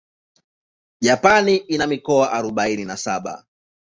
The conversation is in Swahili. Japan ina mikoa arubaini na saba.